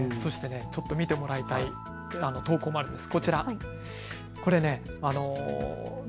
そして、ちょっと見てもらいたい投稿もあるんです。